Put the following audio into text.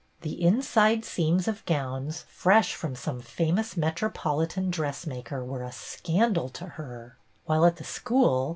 The inside seams of gowns fresh from some famous metropolitan dressmaker were a " scandal " to her. While at the school.